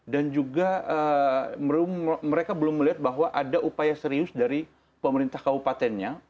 dan juga mereka belum melihat bahwa ada upaya serius dari pemerintah kabupatennya